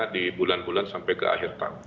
di bulan bulan sampai ke akhir tahun